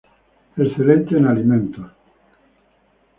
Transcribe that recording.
Excelente en alimentos.